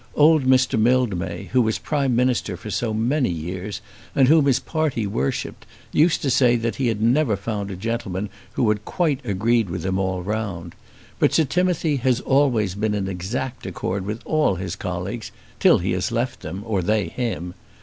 Old Mr. Mildmay, who was Prime Minister for so many years, and whom his party worshipped, used to say that he had never found a gentleman who had quite agreed with him all round; but Sir Timothy has always been in exact accord with all his colleagues, till he has left them, or they him.